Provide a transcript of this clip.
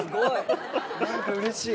何かうれしい。